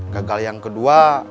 gagal yang kedua